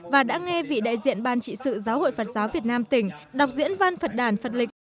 và đã nghe vị đại diện ban trị sự giáo hội phật giáo việt nam tỉnh đọc diễn văn phật đàn phật lịch